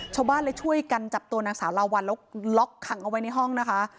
ชาวบ้านเลยช่วยกันจับตัวนางสาวลาวัลแล้วล็อกขังเอาไว้ในห้องนะคะ